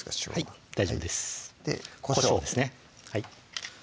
はい大丈夫ですでこしょうこしょうですね